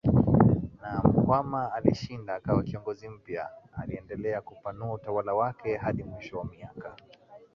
na Mkwawa alishinda akawa kiongozi mpyaAliendelea kupanua utawala wake Hadi mwisho wa miaka